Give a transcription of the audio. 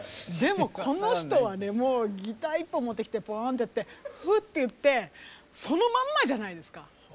でもこの人はねもうギター１本持ってきてポローンってやってフッていってそのまんまじゃないですか。